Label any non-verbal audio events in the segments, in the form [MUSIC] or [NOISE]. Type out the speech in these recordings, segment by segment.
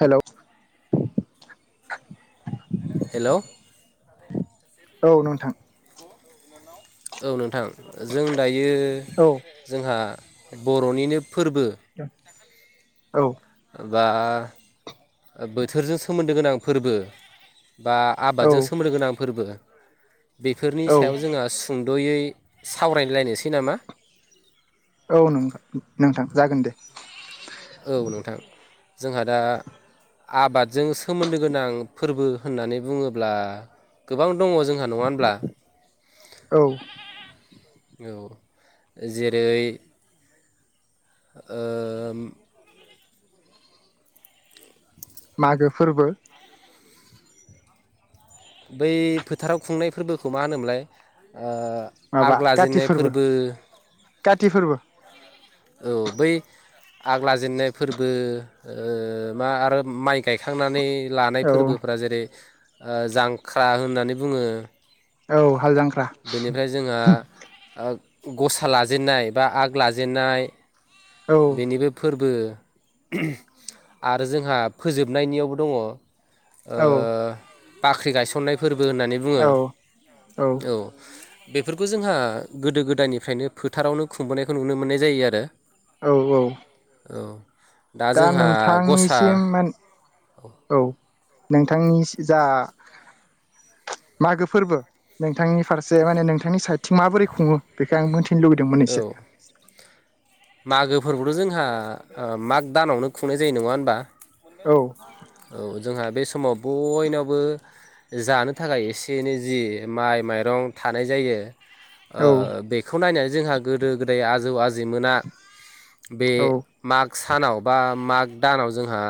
हेल' hello औ औ नोंथां औ नोंथां जों दायो औ जोंहा बर'निनो फोरबो औ बा बोथोरजों सोमोन्दो गोनां फोरबो बा औ आबादजों सोमनदो गोनां फोरबो बेफोरनि औ सायाव जोंहा सुंद'यै सावरायलायनोसै नामा औ नोंथां जागोन दे औ नोंथां जोंहा दा आबादजों सोमोन्दो गोनां फोरबो होननानै बुङोब्ला गोबां दङ जोंहा नङा होनब्ला औ औ जेरै ओम मागो फोरबो बै फोथाराव खुंनाय फोरबोखौ मा होनोमोनलाय ओ आग माबा काति लाजेननाय फोरबो काति फोरबो औ बै आग लाजेननाय फोरबो मा आरो माइ गायखांनानै लानाय औ फोरबोफोरा जेरै जांख्रा होननानै बुङो औ हाल जांख्रा बेनिफ्राय जोंहा ओ गसा लाजेनन्नाय बा आग लाजेनन्नाय औ बेनि बे फोरबो आरो जोंहा फोजोबनायनियावबो दङ ओ औ बाख्रि गायसननाय फोरबो होननानै बुङो औ औ बेफोरखौ जोंहा गोदो गोदायनिफ्रायनो फोथारावनो खुंबोनायखौ नुनो मोननाय जायो आरो औ औ औ दा जोंहा गसा नोंथांनिसिम मोन औ नोंथांनि जा मागो फोरबो नोंथांनि फारसे माने नोंथांनि साइडथिं माबोरै खुङो बेखौ आं मोनथि औ मागो फोरबोथ' जोंहा ओ माग दानावनो खुंनाय जायो नङा होनबा औ औ जोंहा बे समाव बयनावबो जानो थाखाय एसे एनै जि माइ माइरं थानाय जायो औ ओ बेखौ नायनानै जोंहा गोदो गोदाय आजौ आजैमोना बे औ माग सानाव बा माग दानाव जोंहा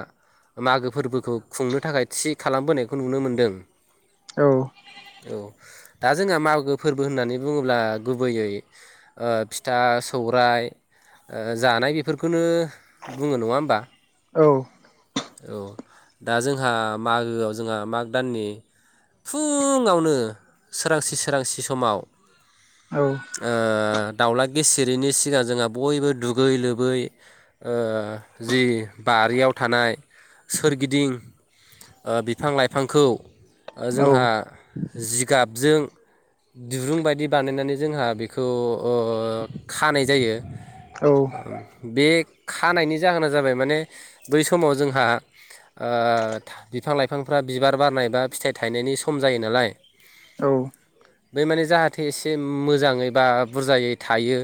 मागो फोरबोखौ खुंनो थाखाय थि खालामबोनायखौ नुनो मोनदों औ औ दा जोंहा मागो फोरबो होननानै बुङोब्ला गुबैयै ओ फिथा सौराय ओ जानाय बेफोरखौनो बुङो नङा होमबा औ औ दा जोंहा मागोआव जोंहा माग दाननि फुङावनो सोरांसि सोरांसि समाव ओ दावला गिसिरयैनि सिगां जोंहा बयबो दुगै लोबै ओ जि बारियाव थानाय सोरगिदिं बिफां लाइफांखौ जोंहा जिगाबजों दिरुं बायदि बानायनानै जोंहा बेखौ ओ खानाय जायो बे बे खानायनि जाहोना जाबाय माने बै समाव जोंहा ओ बिफां लाइफांफ्रा बिबार बारनाय बा फिथाइ थायनायनि सम जायो नालाय औ बै माने जाहाथे एसे मोजाङै बा बुरजायै थायो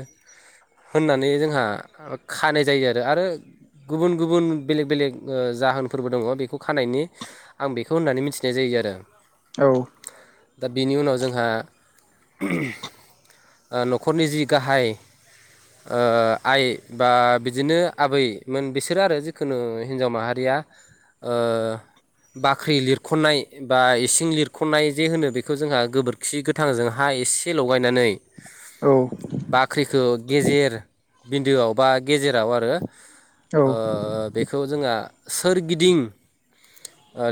होननानै जोंहा खानाय जायो आरो आरो गुबुन गुबुन बेलेग बेलेग जाहोनफोरबो दङ बेखौ खानायनि आं बेखौ होननानै मिथिनाय जायो आरो औ दा बिनि उनाव जोंहा ओ न'खरनि जि गाहाय ओ आइ बा बिदिनो आबैमोन बिसोरो आरो जिखुनु हिन्जाव माहारिया ओ बाख्रि लिरख'नाय बा इसिं लिरख'नाय जे होनो बेखौ जोंहा गोबोरखि गोथांजों हा एसे लगायनानै औ बाख्रिखौ गेजेर बिन्दोआव बा गेजेराव आरो औ ओ बेखौ जोंहा सोरगिदिं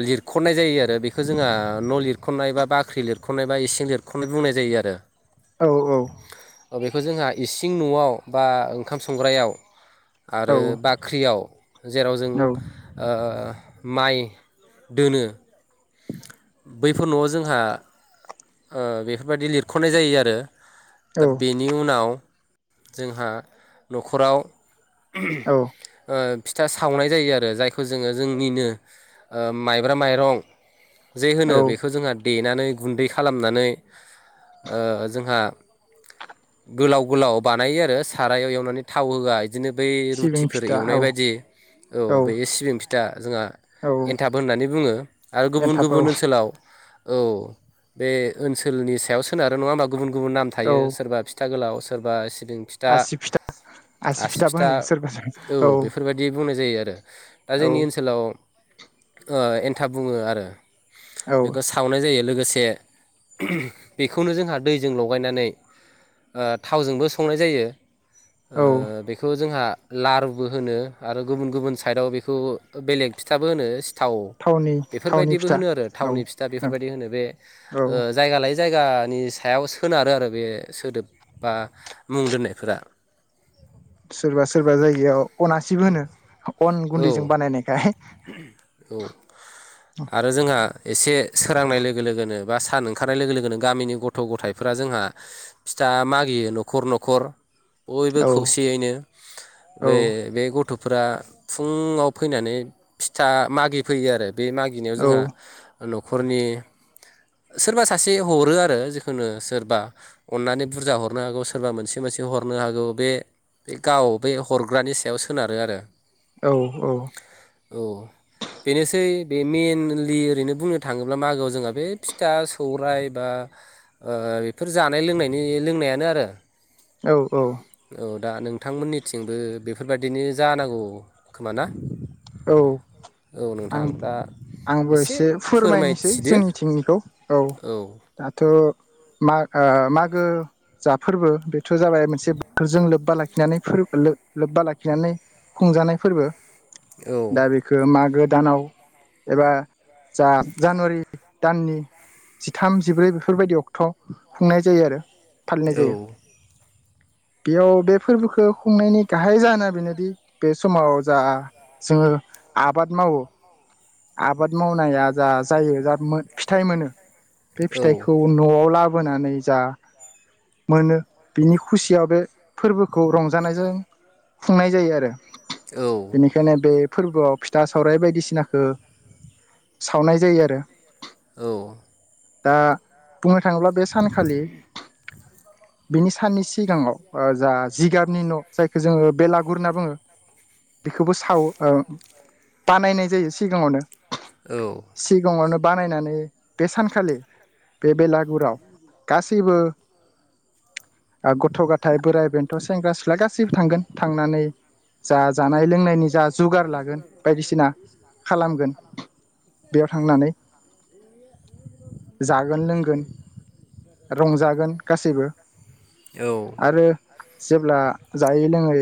लिरख'नाय जायो आरो बेखौ जोंहा न' लिरख'नाय बा बाख्रि लिरख'नाय बा इसिं लिरख'नाय बुंनाय जायो आरो औ औ अ बेखौ जोंहा इसिं थिं न'आव बा ओंखाम संग्रायाव आरो बाख्रियाव जेराव जों औ ओ माइ दोनो बैफोर न'आव जोंहा ओ बेफोरबायदि लिरख'नाय जायो आरो दा औ बेनि उनाव जोंहा न'खराव औ [UNINTELLIGIBLE] ओ फिथा सावनाय जायो आरो जायखौ जोङो जोंनिनो ओ माइब्रा माइरं जे औ होनो बेखौ जोंहा देनानै गुन्दै खालाम खालामनानै ओ जोंहा गोलाव-गोलाव बानायो आरो सारायाव एवनानै थाव होआ बिदिनो बै सिबिं रुटिफोर फिथा एवनाय औ बायदि औ बे सिबिं फिथा जोंहा औ एन्थाब होननानै बुङो आरो एन्थाब औ गुबुन-गुबुन ओनसोलाव औ बे ओनसोलनि सायाव सोनारो नङा माबा गुबुन गुबुन नाम औ थायो सोरबा फिथा गोलाव सोरबा सि बिं फिथा आसि फिथाबो फिथा होनो सोरबा सोरबा औ बेफोरबायाददि बुंनाय जायो आरो दा जोंनि औ ओनसोलाव ओ एन्थाब बुङो आरो औ बेखौ सावनाय जायो लोगोसे [INAUDIBLE] बेखौनो जोंहा दैजों लगायनानै ओ थावजोंबो संनाय जायो। ओ औ बेखौ जोंहा लारुबो होनो आरो गुबुन गुबुन साइदआव बेखौ बेलेग फिथाबो होनो। थाव थावनि थावनि बेफोरबायदिबो फिथा होनो आरो औ थावनि फिथा औ बेफोरबायदि होनो बे औ जायगा लायै जायगानि सायाव सोनारो आरो बे सोदोब बा मुं दोननायफोरा‌। सोरबा सोरबा जायगायाव अनासिबो होनो अन औ गुन्दैजों बानायनायखाय। [INAUDIBLE] औ। आरो जोंहा एसे सोरांनाय लोगो लोगोनो बा सान ओंखारनाय लोगो लोगोनो गामिनि गथ' गथायाइफोरा जोंहा फिथा मागियो न'खर न'खर बयबो औ खौसेयैनो औ बे बे गथ' फोरा फुङाव फैनानै फिथा मागि फैयो आरो। बे मागिनायाव औ जोंहा न'खरनि सोरबा सासे हरो आरो जिखुनु सोरबा अननानै बुरजा हरनो हागौ सोरबा मोनसे मोनसे हरनो हागौ बे गाव बे हरग्रानि सायाव सोनारो आरो। औ औ। औ बेनोसै बे मेइनलि ओरैनो बुंनो थाङोब्ला मागोआव जोंहा बे फिथा सौराय बा बेफोर जानाय लोंनायनि लोंनायानो आरो। औ औ। औ दा नोंथांमोननिथिंबो बेफोरबायदिनो जानांगौ खोमा ना? औ औ आं नोंथां दा आंबो एसे फोरमायनोसै जोंनिथिंनिखौ औ दाथ' मा ओ मागो जा फोर्बो बेथ' जाबाय मोनसे बोथोरजों लोब्बा लाखिनानै फोर [UNINTELLIGIBLE] लो-लोब्बा लाखिनानै खुंजानाय फोर्बो। औ दा बेखो मागो दानाव एबा जा जानुवारि दाननि जिथाम जिब्रै बेफोरबायदि अक्ट' खुंनाय जायो आरो। फालिनाय औ। जायो बेयाव बे फोर्बोखौ खुंनायनि गाहाय जाहोना बेनोदि बे समाव जा जोङो आबाद मावो आबाद मावनाया जा जायो जा मो फिथाइ मोनो बे औ फिथाइखौ न'आव ला बोनानै जा मोनो बिनि खुसियाव बे फोर्बोखौ रंजानायजों खुंनाय जायो आरो। औ। बेनिखायनो बे फोर्बोआव फिथा सावराय बायदिसिनाखो सावनाय जायो आरो। औ। दा बुंनो थाङोब्ला बे सानखालि बिनि साननि सिगाङाव ओ जा जिगाबनि न' जायखो जोङो बेलागुर होनना बुङो खोबो सावो ओ बानायनाय जायो सिगाङावनो। औ सिगाङावनो बानायनानै बे सानखालि बे बेलागुराव गासैबो ओ गथ' गथाय, बोराइ बेन्थ', सेंग्रा सिख्ला गासैबो थांगोन थांनानै जा जा नाय लोंनायनि जा जुगार लागोन बायदिसिना खालामगोन बेयाव थांनानै जागोन लोंगोन रंजागोन गासैबो औ आरो जेब्ला जायै लोङै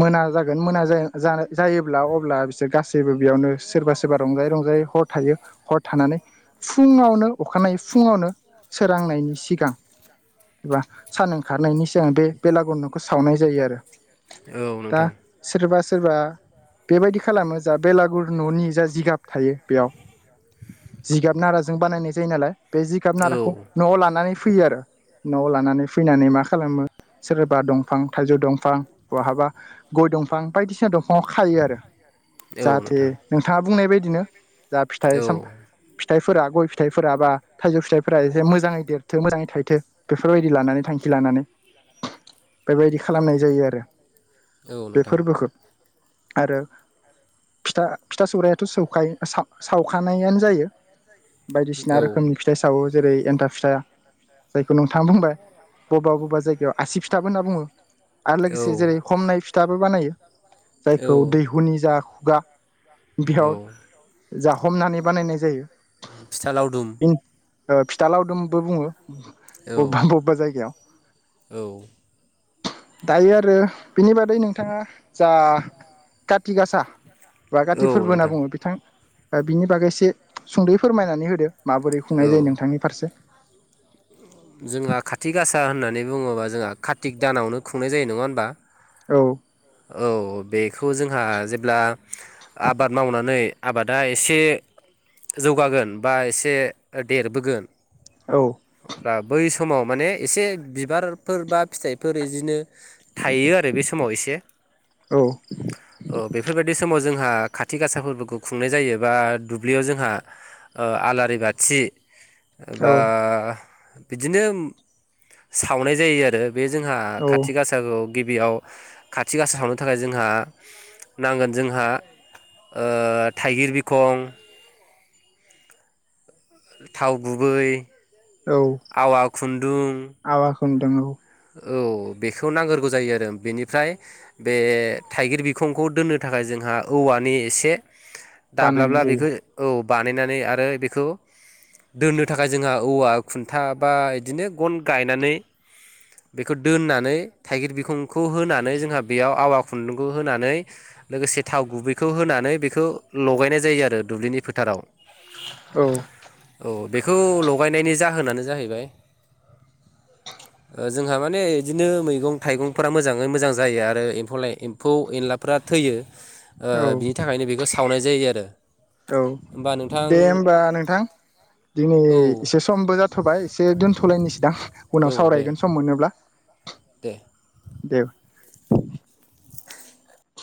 मोना जागोन मोना जा-जा-जायोब्ला अब्ला बिसोर गासैबो बेयावनो सोरबा सोरबा रंजायै रंजायै हर थायो हर थानानै फुङावनो अखानायै फुङावनो सोरांनायनि सिगां एबा सान ओंखारनायनि सिगां बे बेलागुर न'खौ सावनाय जायो आरो। औ दा नोंथां। सोरबा सोरबा बेबायदि खालामो जा बेलागुर न'नि जा जिगाब थायो बेयाव जिगाब नाराजों बानायनाय जायो नालाय बे जिगाब औ नारखौ न'आव लानानै फैयो आरो न'आव लानानै फैनानै मा खालामो सोरबा दंफां थाइजौ दंफां बहाबा गय दंफां बायदिसिना दं फांआव खायो आरो औ जाहाथे नोंथां नोंथाङा बुंनाय बाय दिनो। जा फिथाइ औ साम फिथाइफोरा, गय फिथाइफोरा बा थाइजौ फिथाइफोरा एसे मो जाङै देरथों, मोजाङै थाइथों बेफोरबायदि लानानै थांखि लानानै बेबायदि खालामनाय जायो आरो औ बे नोंथां। फोरबोखौ आरो फिथा फिथा सौरायाथ' सौखायो साव सावखानायानो जायो। बायदिसिना औ रोखोमनि फिथा सावो जेरै एन थाब फिथा, जायखौ नोंथाङा बुंबाय बबेबा- बबेबा जायगायाव आसि फिथाबो होनना बुङो। आरो लोगोसे जेरै औ हमनाय फिथाबो बानायो जायखौ औ दैहुनि जा खुगा बिहर, औ जा [UNINTELLIGIBLE] हमनानै बानायनाय जायो। फिथा लावदुम, ओ फिथा लावदुम बो बुङो। औ बबेबा-बबेबा जायगायाव। औ। दायो आरो बिनि बादै नोंथाङा जा कार्ति गासा बा औ कार्ति फोरबो होनना नोंथां बुङो बिथां ओह बिनि बागै एसे सुंद'यै फोरमायनानै होदो माबोरै औ खुंनाय जायो नोंथांनि फारसे? जोंहा कार्ति गासा होननानै बुङोबा जोंहा कार्तिक दानावनो खुंनाय जायो नङा होमबा? औ औ बेखौ जोंहा जेब्ला आबाद मावनानै आबादा एसे जौगागोन बा एसे देरबोगोन औ। अब्ला बै समाव माने एसे बिबारफोर बा फिथाइफोर इदिनो थायो आरो बे समाव एसे औ ओह बेफोरबायदि समाव जों ओह कार्ति गासा फोरबोखौ खुंनाय जायो। बा दुब्लियाव जोंहा ओह आलारि बाथि एबा औ बिदिनो सावनाय जायो आरो बे जोंहा औ कार्ति गासाखौ गिबियाव कार्ति गासा सावनो थाखाय जोंहा नांगोन जोंहा ओह थाइगिर बिखं, थाव गुबै, औ आवा खुन्दुं [UNINTELLIGIBLE] औ बेखौ नांगोरगौ जायो आरो बेनिफ्राय बे थाइगिर बिखंखौ दोननो थाखाय जोंहा औवानि एसे दाब्लाला बानायनाय जायो बेखौ औ बानायनानै आरो बेखौ दोननो थाखाय जोंहा औवा खुन्था बा इदिनो गन गायनानै बेखौ दोननानै थाइगिर बिखंखौ होनानै जोंहा बेयाव आवा खुन्दुंखौ होनानै लोगोसे थाव गुबैखौ होनानै बेखौ लगायनाय जायो आरो दुब्लिनि फोथाराव। औ औ बेखौ लगायनायनि जाहोनानो जाहैबाय जोंहा माने इदिनो मैगं -थाइगंफोरा मोजाङै मोजां जायो आरो एम्फौ लाइ-एम्फौ एनलाफ्रा थैयो। ओ औ बिनि थाखायनो बेखौ सावनाय जायो आरो औ होमबा नोंथां दे होमबा नोंथां दिनै औ एसे समबो जाथ'बाय एसे दोनथ'लायनिसैदां औ उनाव दे सावरायगोन। सम मोनोब्ला दे दे